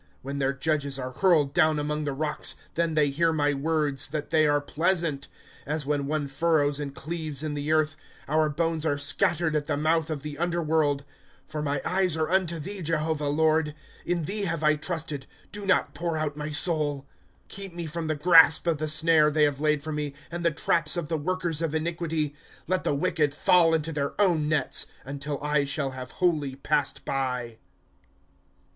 ^ When their judges are hurled down among the rocks, Then they hear my words, that they are pleasant. ' As when one furrows and cleaves in the earth, Our bones are scattered at the nioutli of the underworld. ® For my eyes are unto thee, Jehovah, Lord ; In thee have I trusted ; do not pour out my soul. V. 8. Pour out my soul.] Coinpjirc Is, 53 : 12, " poiireil out his soiil." 201 tlosted by Google PSALMS. 8 Keep me from the grasp of the snare Ihey have laid for me, And the traps of the workers of iniquity. » Let the wicked f^Il into their own nets, Until I shall have wholly passed by.